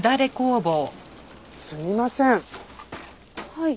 はい。